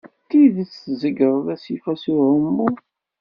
D tidet tzegreḍ asif-a s uɛumu?